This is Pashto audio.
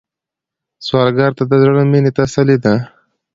سوالګر ته د زړه مينه تسلي ده